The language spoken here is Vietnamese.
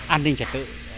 an ninh trạch tự